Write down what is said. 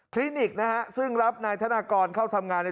คลินิกซึ่งรับนายธนากรเข้าทำงาน